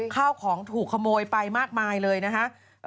ข้าวของถูกขโมยไปมากมายเลยนะฮะ